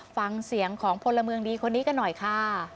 ฟังเสียงของพลเมืองดีคนนี้กันหน่อยค่ะ